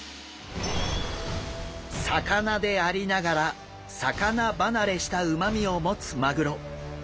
魚でありながら魚離れしたうまみを持つマグロ。